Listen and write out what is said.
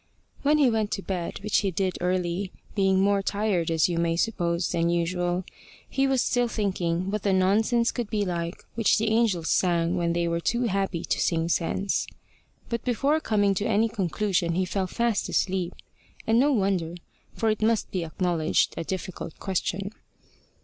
When he went to bed, which he did early, being more tired, as you may suppose, than usual, he was still thinking what the nonsense could be like which the angels sang when they were too happy to sing sense. But before coming to any conclusion he fell fast asleep. And no wonder, for it must be acknowledged a difficult question.